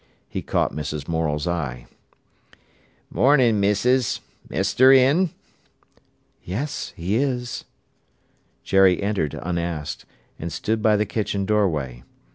He caught Mrs. Morel's eye. "Mornin', missis! Mester in?" "Yes—he is." Jerry entered unasked, and stood by the kitchen doorway.